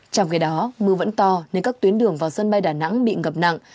trong khi đó mưa vẫn to nên các tuyến đường vào sân bay đà nẵng bị ngập nặng